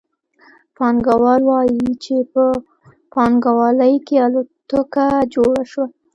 پانګوال وايي چې په پانګوالي کې الوتکه جوړه شوه